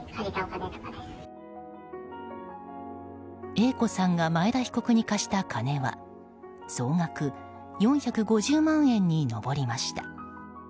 Ａ子さんが前田被告に貸した金は総額４５０万円に上りました。